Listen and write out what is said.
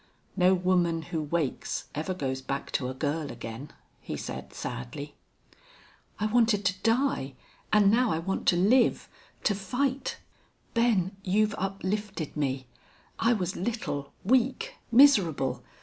"No woman who wakes ever goes back to a girl again," he said, sadly. "I wanted to die and now I want to live to fight.... Ben, you've uplifted me. I was little, weak, miserable....